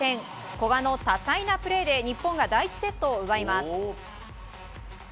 古賀の多彩なプレーで日本が第１セットを奪います。